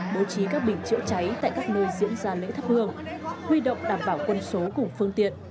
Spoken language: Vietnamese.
bố trí các bình chữa cháy tại các nơi diễn ra lễ thắp hương huy động đảm bảo quân số cùng phương tiện